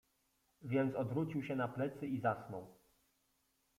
Więc odwrócił się na plecy i zasnął.